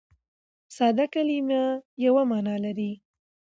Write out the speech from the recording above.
ساده کلیمه یوه مانا لري.